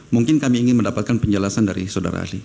mungkin kami ingin mendapatkan penjelasan dari saudara ahli